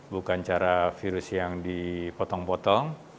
bukan cara virus yang dipotong potong